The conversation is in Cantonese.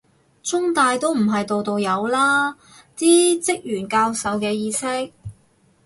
中大都唔係度度有啦，啲職員教授嘅意識